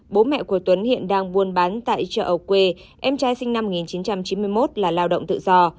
bố mẹ của tuấn hiện đang buôn bán tại chợ ầu quê em trai sinh năm một nghìn chín trăm chín mươi một là lao động tự do